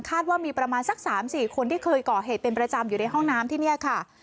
ว่ามีประมาณสัก๓๔คนที่เคยก่อเหตุเป็นประจำอยู่ในห้องน้ำที่นี่ค่ะ